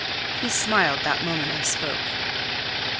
He smiled that moment I spoke.